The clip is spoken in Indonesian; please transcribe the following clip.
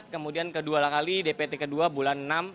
kemudian kedua kali dpt kedua bulan enam